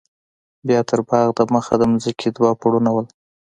بيا تر باغ د مخه د ځمکې دوه پوړونه وو.